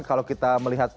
kalau kita melihat